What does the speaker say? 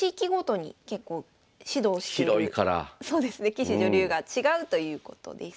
棋士・女流が違うということです。